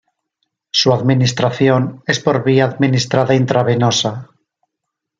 Su administración es por vía administrada intravenosa.